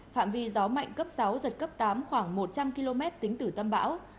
phạm vi gió mạnh cấp sáu giật cấp tám khoảng một trăm linh km tính từ tâm bão